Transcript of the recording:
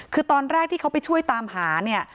คือตอนแรกที่เขาไปช่วยตามหาเนี่ย